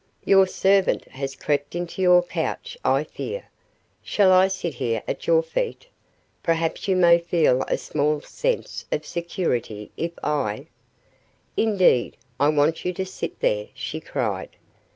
"Your servant has crept into your couch, I fear. Shall I sit here at your feet? Perhaps you may feel a small sense of security if I " "Indeed, I want you to sit there," she cried.